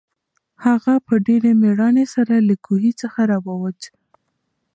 هغه په ډېرې مېړانې سره له کوهي څخه راووت.